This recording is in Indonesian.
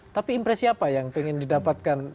tapi impresi apa yang ingin didapatkan